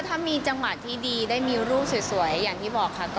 ถ้ามีจังหวะที่ดีได้มีรูปสวยอย่างที่บอกค่ะ